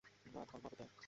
না, ধর্মাবতার।